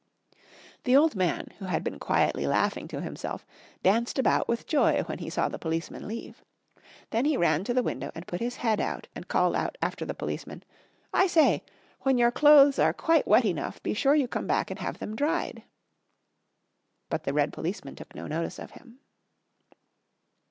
The old man, who had been quietly laughing to himself, danced about with joy when he saw the policeman leave. Then he ran to the window and put his head out, and called out after the policeman, "I say. When your clothes are quite wet enough be sure you come back and have them dried." But the red policeman took no notice of him.